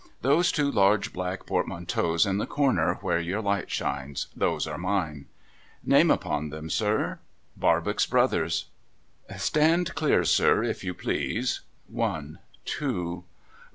' Those two large black portmanteaus in the comer where your light shines. Those are mine.' ' Name upon 'em, sir ?' Barbox Brothers.' 41 6 MUGBY JUNCTION ' Stand clear, sir, if you please. One. Two.